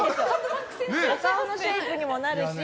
お顔のシェイプにもなるし。